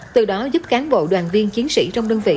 từ đó giúp cán bộ đoàn viên chiến sĩ trong đơn vị